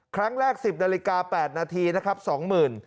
ครั้งแรก๑๐นาฬิกา๘นาทีนะครับ๒๐๐๐บาท